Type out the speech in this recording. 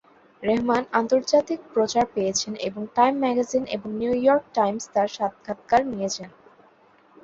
রেহমান আন্তর্জাতিক প্রচার পেয়েছেন এবং টাইম ম্যাগাজিন এবং নিউ ইয়র্ক টাইমস তার সাক্ষাৎকার নিয়েছে।